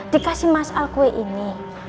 dikasih mas al kue ini